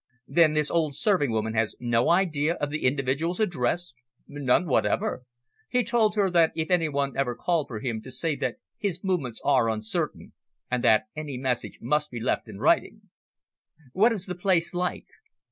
"Then this old serving woman has no idea of the individual's address?" "None whatever. He told her that if any one ever called for him to say that his movements are uncertain, and that any message must be left in writing." "What is the place like?"